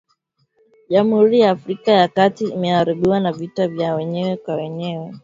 Jamhuri ya Afrika ya kati imeharibiwa na vita vya wenyewe kwa wenyewe